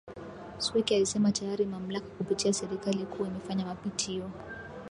Sweke alisema tayari mamlaka kupitia Serikali kuu imefanya mapitio